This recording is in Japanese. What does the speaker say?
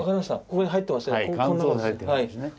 ここに入ってますね。